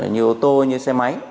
nhiều ô tô như xe máy